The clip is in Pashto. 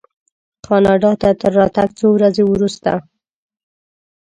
کاناډا ته تر راتګ څو ورځې وروسته.